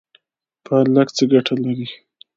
پالک څه ګټه لري؟